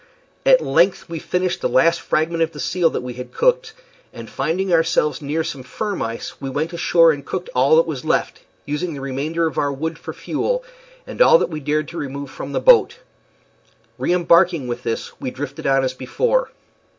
At length we finished the last fragment of the seal that we had cooked, and, finding ourselves near some firm ice, we went ashore and cooked all that was left, using the remainder of our wood for fuel, and all that we dared to remove from the boat. Re embarking with this, we drifted on as before.